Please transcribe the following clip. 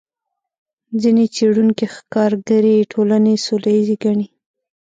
ځینې څېړونکي ښکارګرې ټولنې سوله ییزې ګڼي.